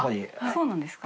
そうなんですか？